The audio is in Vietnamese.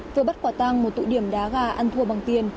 vừa bắt quả tăng một tụ điểm đá gà ăn thua bằng tiền